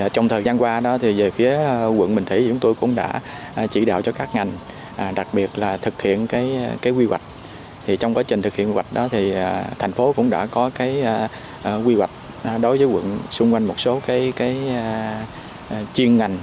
trong quá trình thực hiện quy hoạch đó thì thành phố cũng đã có quy hoạch đối với quận xung quanh một số chuyên ngành